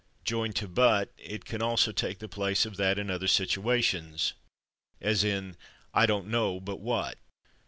Joined to /but/ it can also take the place of /that/ in other situations, as in "I don't know /but what